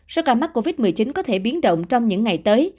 số ca mắc covid một mươi chín có thể biến động trong những ngày tới